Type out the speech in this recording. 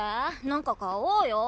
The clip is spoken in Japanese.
何か買おうよ。